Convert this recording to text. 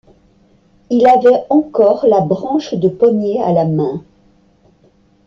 Il avait encore la branche de pommier à la main.